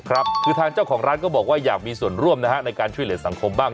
ครับคือทางเจ้าของร้านก็บอกว่าอยากมีส่วนร่วมนะฮะในการช่วยเหลือสังคมบ้าง